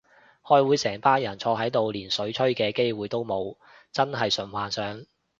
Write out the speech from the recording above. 開會成班人坐喺度連水吹嘅機會都冇，真係純幻想